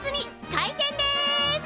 開店です！